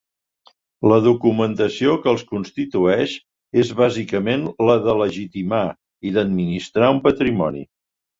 La documentació que els constitueix és bàsicament la de legitimar i d'administrar un patrimoni.